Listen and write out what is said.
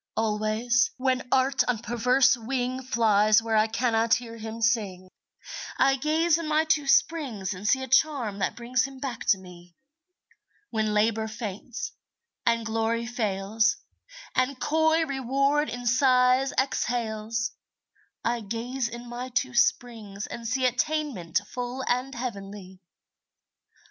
Always, when Art on perverse wing Flies where I cannot hear him sing, I gaze in my two springs and see A charm that brings him back to me. When Labor faints, and Glory fails, And coy Reward in sighs exhales, I gaze in my two springs and see Attainment full and heavenly.